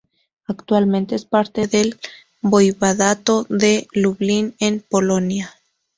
Actualmente es parte del voivodato de Lublin, en Polonia.